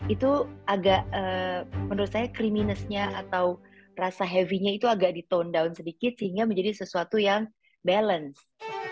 itu agak menurut saya criminesnya atau rasa heavy nya itu agak di tone down sedikit sehingga menjadi sesuatu yang balance